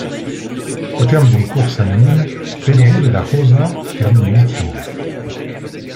Au terme d'une course anonyme, Pedro de la Rosa termine huitième.